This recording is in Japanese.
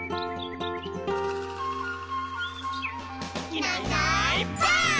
「いないいないばあっ！」